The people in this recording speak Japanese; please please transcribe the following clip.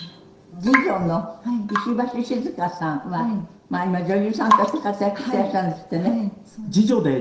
次女の石橋静河さんは今女優さんとして活躍してらっしゃるんですってね。はいそうです。